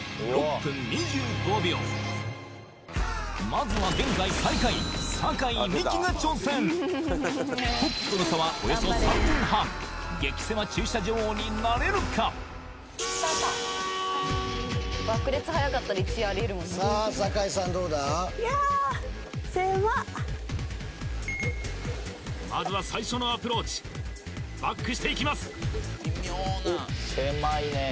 まずは現在最下位酒井美紀が挑戦トップとの差はおよそ３分半激セマ駐車女王になれるかまずは最初のアプローチバックしていきます